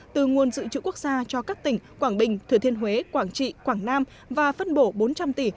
từ nguồn dự trữ quốc gia cho các tỉnh quảng bình thừa thiên huế quảng trị quảng nam và phân bổ bốn trăm linh tỷ